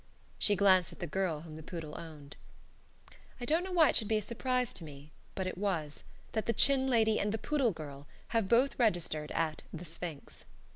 She glanced at the girl whom the poodle owned. I don't know why it should be a surprise to me, but it was; that the chin lady and the poodle girl have both registered at "The Sphinx."